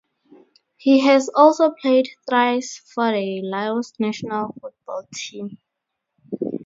He has also played thrice for the Laos national football team.